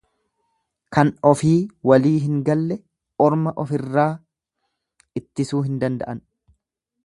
Kan ofii walii hin galle orma ofirraa ittisuu hin danda'an.